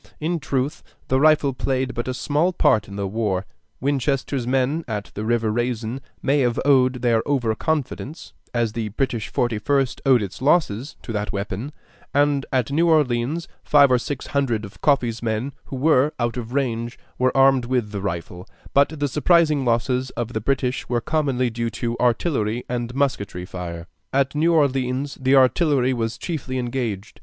In truth, the rifle played but a small part in the war. Winchester's men at the river Raisin may have owed their over confidence, as the British Forty first owed its losses, to that weapon, and at New Orleans five or six hundred of Coffee's men, who were out of range, were armed with the rifle; but the surprising losses of the British were commonly due to artillery and musketry fire. At New Orleans the artillery was chiefly engaged.